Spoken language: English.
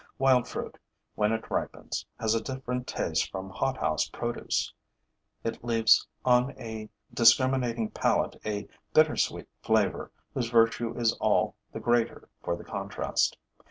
Wild fruit, when it ripens, has a different taste from hothouse produce: it leaves on a discriminating palate a bittersweet flavor whose virtue is all the greater for the contrast.